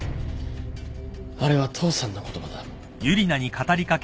あれは父さんの言葉だ